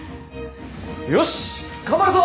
よし頑張るぞ！